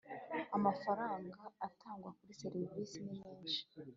Amafaranga atangwa kuri serivisi nimenshi